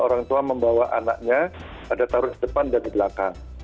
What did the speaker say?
orang tua membawa anaknya ada taruh di depan dan di belakang